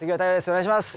お願いします。